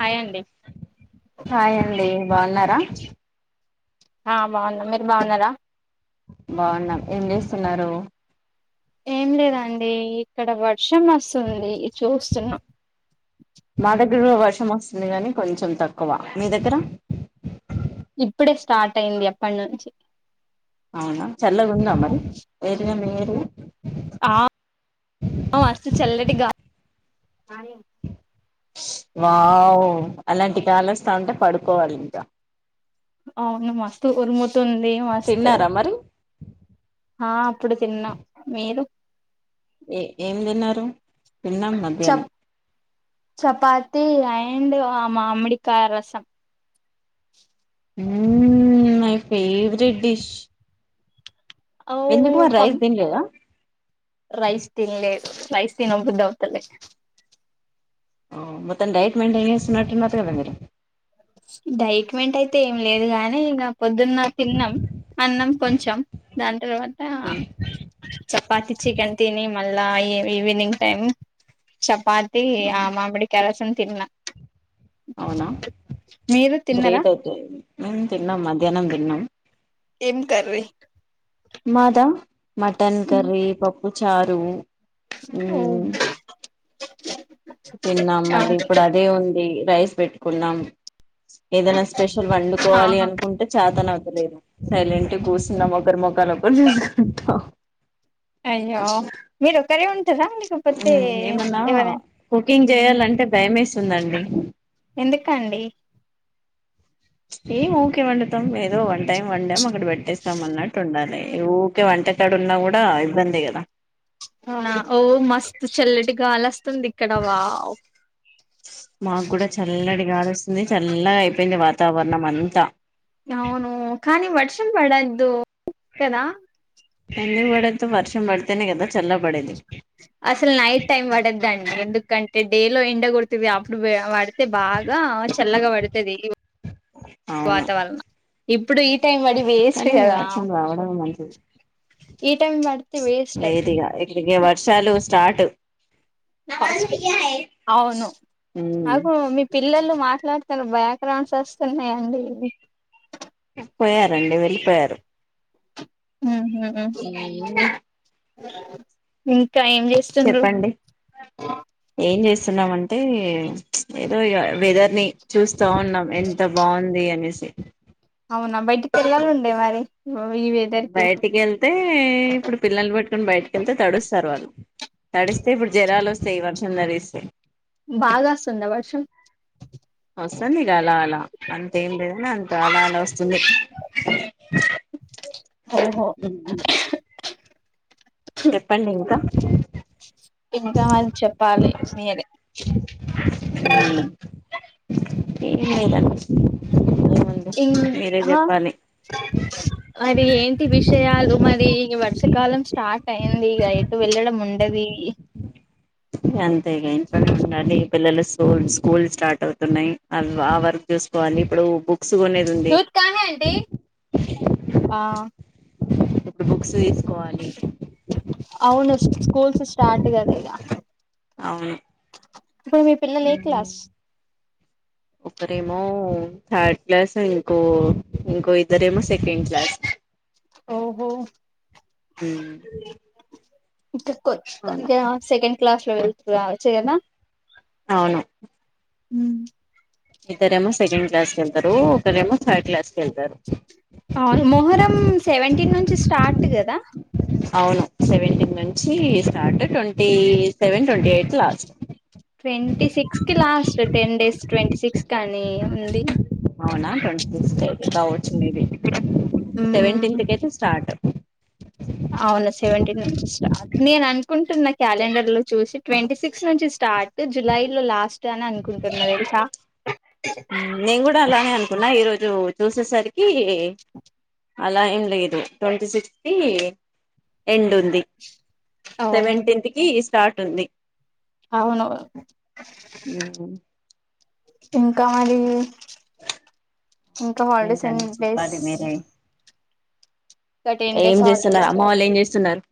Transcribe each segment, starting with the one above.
Hi అండి hi అండి బాగున్నారా ఆ బాగున్న మీరు బాగున్నారా బాగున్నాం ఏం చేస్తున్నారు ఏం లేదండి ఇక్కడ వర్షం వస్తుంది చూస్తున్నా ఇక్కడ కూడా వర్షం వస్తుంది కానీ కొంచెం తక్కువ మీ దగ్గర ఇప్పుడే స్టార్ట్ అయింది ఎప్పటి నుంచి అవునా చల్లగా ఉందా మరి ఏరియా మీ ఏరియా ఆ మస్తు చల్లటి గాలి వావ్ అలాంటి గాలి వస్తా ఉంటే పడుకోవాలి ఇంకా అవును మస్తు వస్తుంది మస్తు తిన్నారా మరి ఆ అప్పుడు తిన్నాం మీరు ఏ ఏం తిన్నారు తిన్నాం మధ్యాహ్నం చపాాతి అండ్ ఆ మా మామిడి కాయ రసం ఉమ్మ్ మై ఫేవరెట్ డిష్ ఓ ఎందుకు మ పం రైస్ తిన్లేదా రైస్ తిన్లే రైస్ తిన బుద్ద అవుతలే ఓ మొత్తం డైట్ మెయింటైన్ చేస్తున్నట్లున్నారు కదండీ డైట్ మెంట్ అయితే ఏం లేదు గానీ ఇ పొద్దున్న తిన్నా అన్నం కొంచెం దాని తర్వాత చపాతి చికెన్ తిని మ ఈవినింగ్ టైమ్ చపాతి ఆ మామిడి కాయ రసం తిన్న అవునా తిన్నరా గ్రేట్ అయితే మేము తిన్నాం మధ్యాహ్నం తిన్నాం ఏం కర్రీ మాదా మటన్ కర్రీ పప్పు చారు ఓ మ్మ్ తిన్నాం మళ్ళీ ఇప్పుడు అదే ఉంది రైస్ పెట్టుకున్నాం ఏదైనా స్పెషల్ వండుకోవాలి ఆహా అనుకుంటే చాతన అవుంది సైలెంట్ గా కూసున్నాం ఒకరు చూసుకుంటా అయ్యో మీరు ఒకరే ఉంటారా లేకపోతే మ్మ్ ఏమన్నా ఎవరనా కుకింగ్ చేయాలంటే భయేస్తుందండి ఎందుకండి ఏం ఓకే వండుతం ఏదో వన్ టైమ్ వన్ టైం అక్కడ పెట్టేస్తాం అన్నట్టు ఉండాలి ఊరికే వంటకాడు ఉన్నా కూడా ఇబ్బంది కదా ఓ మస్తు చల్లటి గాలి వస్తుంది ఇక్కడ వావ్ యాడస్తుంది చల్లగా అయిపోయింది వాతావరణం అంతా అవును కానీ వర్షం పడొద్దు కదా ఏంది పడొద్దు వర్షం పడతానే కదా చల్ల బడేది అసలు నైట్ టైం పడద్దండి ఎందుకంటే డే లో ఎండ కొడుతుంది అప్పుడు పడితే బాగా బాగా చల్లగా పడుతుది అవును ఇప్పుడు ఈ టైం పడి వేస్ట్‌ కానీ కదా వర్షం రావడం మంచిది టెన్ బట్టి వేస్టె లేదు ఇగ ఈ వర్షాలు స్టార్ట్ ఫస్ట్‌ అవును ఉమ్ నాకు మీ పిల్లలు మాట్లాడుతారు బ్యాక్ గ్రౌండ్స్ వస్తున్నాయిండి పోయారండి వెళ్ళిపోయారు ఏ హు చెప్పండి ఏం చేస్తున్నామంటే ఏదో వెదర్ ని చూస్తా ఉన్నాం ఎంత బాగుంది అనేసి అవునా బయటికి వెళ్ళాలు ఉండే మరి ఈ వెదర్ కి బయటికి వెళ్తే ఇప్పుడు పిల్లలు పట్టుకుని బయటిక వెళ్తే తడుస్తారు వాళ్ళు తడిస్తే ఇప్పుడు జ్వరాలు వస్తాయి ఈ వర్షం తడిస్తే బాగ వస్తుంద వర్షం వస్తుంది ఇక అలా అలా అంతెం లేదనే అంత అలా అలా వస్తుంది [inaudible] ఓహో చెప్పండి ఇంకా ఇంకా చెప్పాలి మరి మీరే ఉ ఎం చేయాలని పిస్తుంది ఇం హ మరి ఏంటి విషయాలు మరి వర్షాకాలం స్టార్ట్ టయిందిఇక ఎటు వెళ్ళడం ఉండది ఇగ అంతేగా ఇంట్లోనె ఉండాా లి పిల్లలు స్కూ స్కూల్ స్టార్ట్ అవుతున్నాయి ఆ వర్క్ చూసుకోవాలి ఇప్పుడు బుక్ దూధ్ కానె అండి బుక్స్ సె అవును స్కూల్స్ స్టార్ట్ కదా ఇక అవును పోయి మీ పిల్లలు ఎ క్లాస్ ఒకడేమో థర్డ్ క్లాస్ ఇంకో ఇంకో ఇద్దరేమో సెకండ్ క్లాస్ ఓహో ఉ ఇక కొంచ సెకండ్ క్లాస్ లోెవెల్వనా చెయ్యనా అవును ఉహూ ఇద్దరేమో సెకండ్ క్లాస్ వెళ్తరు ఒకరేమో థర్డ్ క్లాస్కి వెళ్తారు అవును మొహరం సెవెంటీన్ నుంచి స్టార్ట్ కదా అవును సెవెంటీన్ నుంచి start twenty seven twenty eight last twenty six కి last ten days twenty six కాని ఉంది అవునా ట్వంటీ ఫిక్స్త్ అయితే కావచ్చు మేబి సెవెంటీన్త్ కి అయితే స్టార్ట్ అవునా సెవెంటీన్ నుంచి స్టార్ట్ నేను అనుకుంటున్న క్యాలెండర్ లో చూసి ట్వంటీ సిక్స్ నుంచి స్టార్ట్ జులై లో లాస్ట్ అని అనుకుంటున్నా తెలుసా నేన్‌ కూడ అలానే అనుకున్నా ఈరోోజు చూసేసరికి అలా ఏం లేదు ట్వంటీ సిక్స్ కి ఎండ్ ఉంది అవును సెవెీన్త్ కి స్టార్ట్ ఉంది అవును ఇంకా మరి ఇంకా హాలిడేస్ ఏంటండి ఎన్ని డేస్ చెప్పాలి మీరే ఇంక టెన్ ఏం డేస్ చేస్తున్నారు హాలిడేస్ అమ్మ వాళ్ళు ఏం చేస్తున్నారు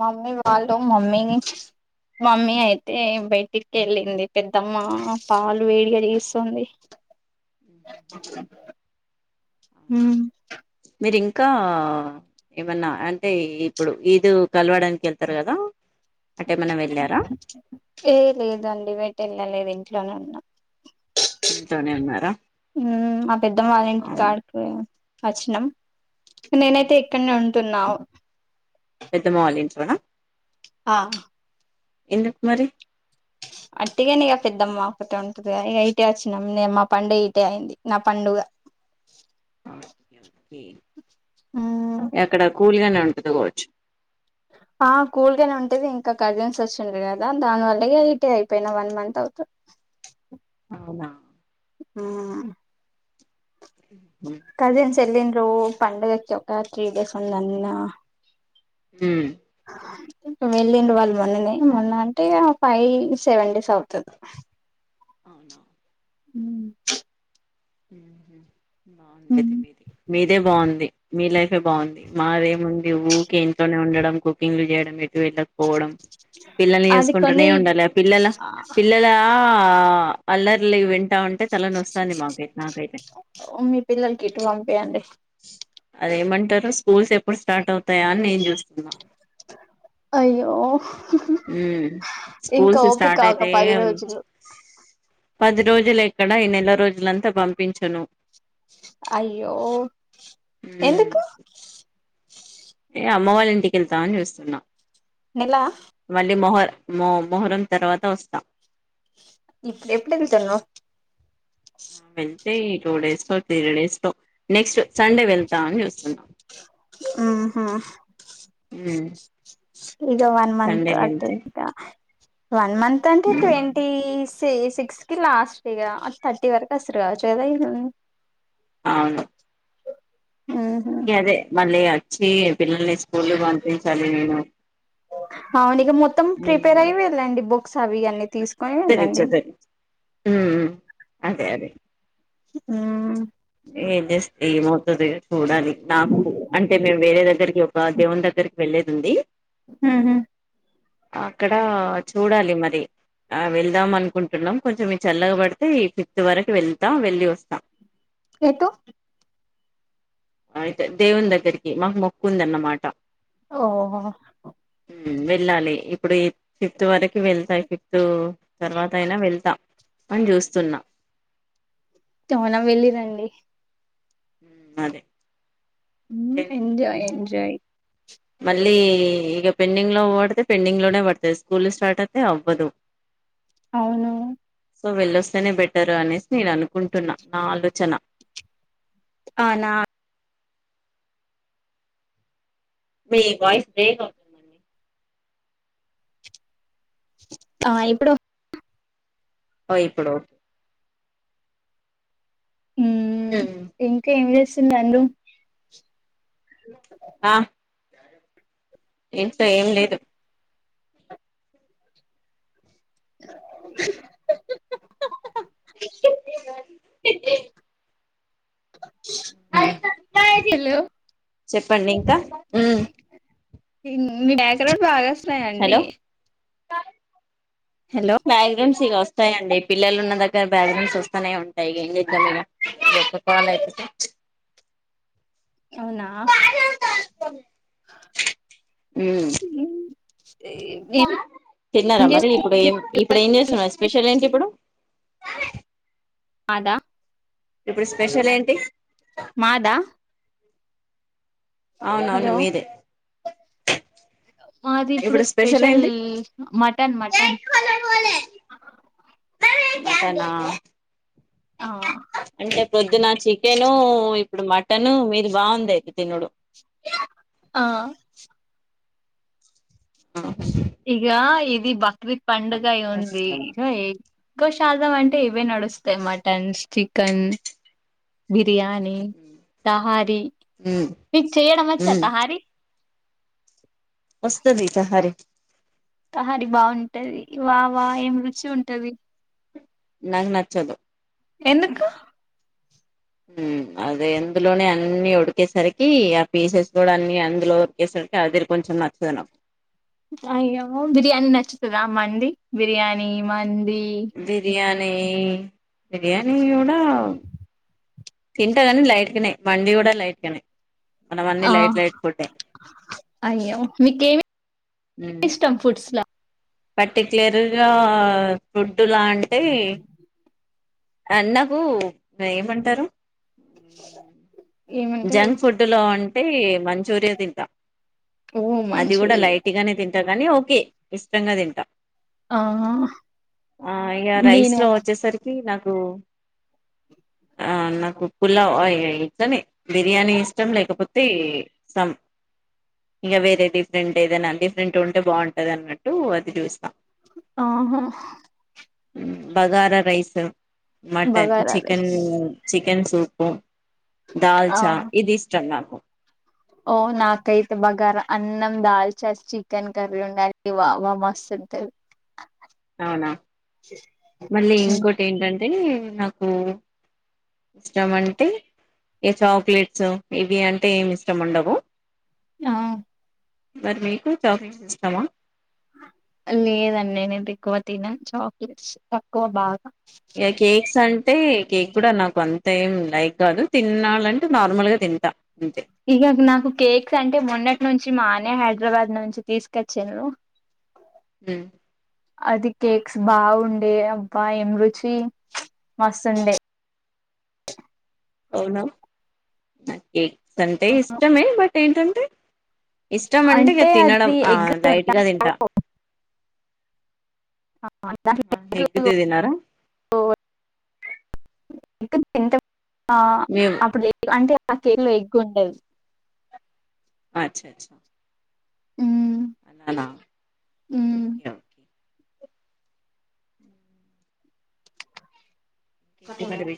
మమ్మీ వాళ్ళు మమ్మీని మమ్మీ అయితే బయటి కెళ్ళింది పెద్దమ్మ పాలు వేడిగా తీీస్తుంది [inaudible] మ్ మీదిఇంకా ఏమన్నా అంటే ఇప్పుడు ఈదు కలవడానికి వెళ్తారు కదా అటేమన్నా వెళ్ళారా ఏ లేదండి బయట వెళ్ళలేదు ఇంట్లోనే ఉన్నాం ఇంట్లోనే ఉన్నారా ఉ మ పెద్దమ వాళ్ళ ఇంటి అవును కాడకి వచ్చినం మ్హూ. నేనైతే ఇక్కడ్నే ఉంటున్నావు పెద్దమ్మ వాల్లింట్లోనా అ ఎందుక్ మరి అట్టిగని ఇక పెద్దమ్మ ఒక్కతే ఉంటది ఇక ఇటే వచ్చినాం నేను మా పండు ఇటే అయింది నా పండుగ [inaudible] ఎక్కడ కూల్గానే ఉంటుందికోవచ్చు ఆ కూల్గానే ఉంటది ఇంకా కర్జెన్స్ వచ్చిండ్రారు కదా దానివల్ల రీటే అయిపోయిన వన్ మంత్ అవుతంది అవున ఆ అ కజిన్స్ వెళ్ళిిన్రు పండుగకి ఒక త్రీ డేస్ ఉందన్న ఉ వెళ్ళిండి వాళ్ళు మొన్ననే మొన్న అంటే ఫైవ్ సెవెన్ డేస్ అవుతుంది అవునవును మ్ బాగుంది అది మీది మీదే బాగుంది మీ లైఫే బాగుంది మరేమి ఉండి ఊ కె ఇంట్లోని ఉండడం కుకింగ్ లు చేయడం ఎటు వెళ్ళకపోవడం పిల్లని అది చూసుకుంటూనే కొన్ని ఉండాలి పిల్లల పిల్ల లా అల్లర్లి వింటా ఉంటే తలన వస్తుంది మాకుైతే మీ పిల్లలకి ఇటు పంపియంండి అదేమంటారు స్కూల్స్ ఎప్పుడు స్టార్ట్ అవుతాయా అని నేను చూస్తున్నా అయ్యో ఉ ఇంకా స్కూల్స్ ఓపిక స్టార్ట్ ఒక అయితే పది రోజులు పది రోజులు ఎక్కడ ఈ నెల రోజులంతా పంపించను అయ్యో ఉమ్ ఎందుకు ఏ అమ్మ వాళ్ళ ఇంటికెళ్తామని చూస్తున్నాం నెల మళ్ళీ మొహ మో మొహరం తర్వాత వస్తా ఇప్పుడ్ ఎప్పుడు వెళ్తున్నావ్ వెళ్తే ఈ టూ డేస్ లో త్రీ డేస్ లో నెక్స్ట్ సండే వెళ్తా అని చూస్తున్నాం ఆహా హ్మ్ ఇగ వన్ మంత్ అంటే వన్ మంత్ అంటే ట్వంటీ సె సిక్స్ కి లాస్ట్ ఇగ థర్టీ వరకు వస్తారుగా చేదై ను అవును ఉహు అదే మళ్ళీ వచ్చి పిల్లల్ని స్కూల్ కి పంపించాలి నేను. అవును. ఇక మొత్తం ఉ ప్రిపేర్ అయి వెళ్ళండి బుక్స్ అవి అన్నీ తీసుకొని తిరిచ వెళ్ళండి దరి మ్ మ్హ్ అంతే అదే మ్ ఏం చేస్తే ఏమవుతా ది చూడాలి. నాకు అంటే మేము వేరే దగ్గరికి ఒక దేవుని దగ్గరకి వెళ్ళేది ఉంది. మ్ హూ అక్కడ చూడాలి మరి. ఆ వెళ్దాం అనుకుంటున్నాం. కొంచెం చల్లగబడితే ఈ ఫిఫ్త్ వరకు వెళ్తాం. వెళ్ళి వస్తాం. ఎటు అయితే దేవుని దగ్గరికి మాకు మొక్కుందన్నమాట. ఓహో మ్ వెళ్ళాలి. ఇప్పుడు ఈ ఫిఫ్త్ వరకు వెళ్తా. ఫిఫ్త్ తర్వాత అయినా వెళ్తా అని చూస్తున్న. త్వరగా వెళ్ళిరండి. హ్మ్ అదే మ్, ఎంజాయ్ ఎంజాయ్ మళ్ళీ ఇక పెండింగ్ లో పడితే పెండింగ్ లోనే పడుతాది. స్కూల్ స్టార్ట్ అయితే అవ్వదు. అవును సో వెళ్ళొస్తేనే బెటరు అనేసి నేను అనుకుంటున్నా. నా ఆలోచన అవునా మీ వాయిస్ బ్రేక్ అవుతుంది అండి. ఆ ఇప్పుడు ఓ ఇప్పుడు హ్మ్ ఉమ్. ఇంకా ఏం చేస్తుంది అను? ఆ ఇంస్టా ఏం లేదు [inaudible] [inaudible] హలో! చెప్పండి ఇంకా? ఉమ్ మీ డెకరేట్ బాగా వస్తాయండి. మ్యాక్జిమ్ ఇక వస్తాయండి. పిల్లలు ఉన్న దగ్గ బాలెన్స్ వస్తానే ఉంటాయి. ఇక ఏం చేద్దాం ఇక ఎత్తుకోవాలి అయితే అవునా ఉమ్ మ్. తే తిన్నారా మరి, ఇప్పుడు ఏం ఇప్పుడు ఏం చేస్తున్నారు. స్పెషల్ ఏంటి ఇప్పుడు. రాలే వాడా ఇప్పుడు స్పెషల్ ఏంటి? మాదా? అవునవును హలో మీదే మాది ఇప్పుడు స్పెషల్ మటన్ మటన్ మటనా ఆ అంటే పొద్దున్న చికెను ఇప్ ఇప్పుడు మటను మీది బాగుంది అయితే తినుడు ఆ ఆ హ ఇగ ఇది బక్రీద్ పండుగ ఉంది ఇక ఎ ఎక్కువషదాం అంటే ఇవే నడుస్తాయి మటన్ చికెన్ బి బిర్యానీ తహారీ ఉమ్ మీకు చేయడం వచ్చా ఉమ్ తహారీ వస్తది దహరి తహారి బాగుంటది వా వా ఏం రుచి ఉంటది నాకు నచ్చదు ఎందుకు ఉమ్ అదే అందులోనే అన్ని ఉడికేసరికి ఆ పీసెస్ కూడా అన్ని అందులో ఉరికేసరి సరికి అదిరి కొంచం నచ్చదున అయ్యో బిర్యానీ నచ్చుతదా మండి బిర్యానీ మన్ బిర్యానీ బిర్యానీ కూడ తింటాగాని లైట్కినేయి మండి కూడా లైట్ కనే ఆ అయ్యో మీకేమి ఉమ్ ఇష్టం ఫుట్స్ లా పర్టిక్యులర్గా ఫుడ్లా అంటే ఆ నాకు ఏమంటారు అ జంక్ ఫుడ్ లో అంటే మంచూరియా తింటా ఓ అది కూడా మంచూరియా లైట్గానే తింటా కానీ ఓకే ఇష్టంగా తింటా ఆ ఆ ఇగ రైస్ నేను లో వచ్చేసరికి నాకు కు ఆ నాకు పులావ్ ఆ ఇగ ఇట్లనే బిర్యానీ ఇష్టం లేకపోతే సం ఇగ వేరే డిఫరెంట్ ఏదైనా డిఫరెంట్ ఉంటే బాగుంటది అన్నట్టు అది చూస్తా ఆహ ఉ bagara rice mutton bagara chicken rice చిక్ చికెన్ సూపు దాల్చా ఆహా ఇది ఇష్టం నాకు ఓ నాకైతే బగార అన్నం దాల్చస్ చికెన్ కర్రీ ఉండాలి వా బా మస్తుంటది అవునా మళ్ళీ ఇంకోటి ఏంటంటే టే నాకు ఇష్టం అంటే ఇ చాక్లెట్స్ ఇవి అంటే ఏమి ఇష్టం ఉండవు ఆ మరి నికు చాక్లెట్స్ ఇష్టమా లేదండి నేను ఎక్కువ తినను చాక్లెట్స్ తక్కువ బాగా అయిే కేక్ కూడా నాకు అంత ఏం లైక్ కాదు తిినాలంటే నార్మల్ గా తింటా అంతే ఇగ నాకు కేక్స్ అంటే మొన్నటి నుంచి నుంచి మానే హైదరాబాద్ నుంచి తీసుకొచ్చాను ఉ అది కేక్స్ బాగుండే అబ్బా ఏం రుచి మస్తుండే అవున నా కేక్స్ అంటే ఇష్టమే బట్ ఏంటంటే ఇష్టం అంటే ఇగ తినడం అది ఆ ఎగ్ లైట్గా తింటా ఎ గ్ తినరా ఎ తింటాన్‌ ఆ మేము అప్పుడు అంటే నాకేలో ఎగ్గుండది అచ్చ అచ్చా ఉమ్ హలో ఉమ్ ఇంకేంటి మరి